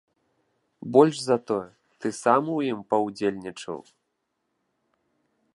Больш за тое, ты сам у ім паўдзельнічаў?